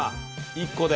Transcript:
１個で。